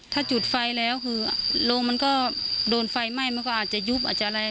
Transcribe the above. ถ้าจุดไฟแล้วคือโรงมันก็โดนไฟไหม้มันก็อาจจะยุบอาจจะอะไร